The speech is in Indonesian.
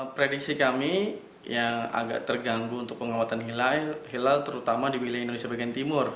prediksi kami yang agak terganggu untuk pengamatan hilal terutama di wilayah indonesia bagian timur